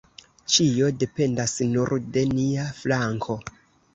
Ĉio dependas nur de nia flanko.